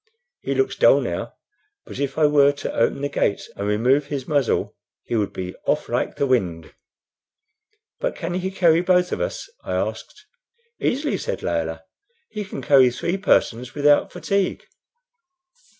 He looks dull now, but if I were to open the gate and remove his muzzle he would be off like the wind." "But can he carry both of us?" I asked. "Easily," said Layelah. "He can carry three persons without fatigue."